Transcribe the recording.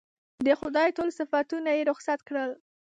د خدای ټول صفتونه یې رخصت کړل.